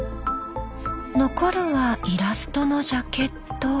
残るはイラストのジャケット。